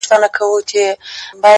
اوس مي نو ومرگ ته انتظار اوسئ _